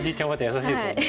優しいですもんね。